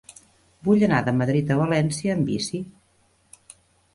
Vull anar de Madrid a València amb bici.